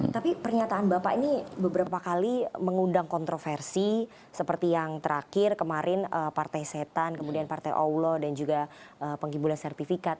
tapi pernyataan bapak ini beberapa kali mengundang kontroversi seperti yang terakhir kemarin partai setan kemudian partai allah dan juga penghiburan sertifikat